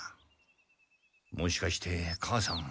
もしかしてかあさん。